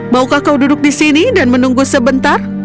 maukah kau duduk di sini dan menunggu sebentar